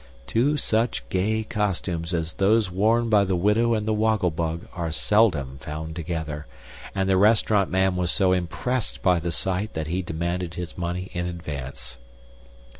Two such gay costumes as those worn by the widow and the Woggle Bug are seldom found together, and the restaurant man was so impressed by the sight that he demanded his money in advance.